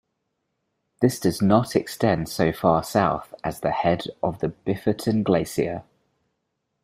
This does not extend so far south as the head of the Biferten Glacier.